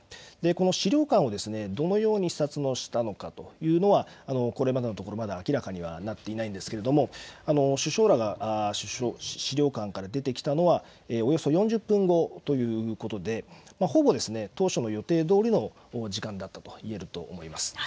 資料館をどのように視察をしたのかというのはこれまでのところまだ明らかにはなっていないんですけれども、首相らが資料館から出てきたのはおよそ４０分後ということでほぼ当初の予定どおりの時間だったといえると思います。